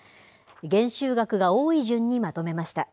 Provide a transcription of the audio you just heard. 減収額が多い順にまとめました。